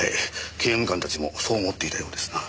刑務官たちもそう思っていたようですな。